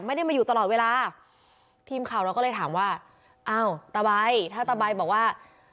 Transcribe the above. ไม่ได้มาอยู่ตลอดเวลาทีมข่าวเราก็เลยถามว่าอ้าวตาใบถ้าตาใบบอกว่า